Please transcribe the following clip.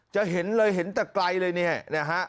จะเห็นเลยเห็นแต่ไกลเลยเนี่ยนะฮะ